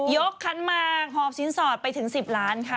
คันมากหอบสินสอดไปถึง๑๐ล้านค่ะ